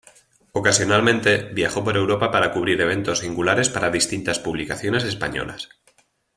Ocasionalmente viajó por Europa para cubrir eventos singulares para distintas publicaciones españolas.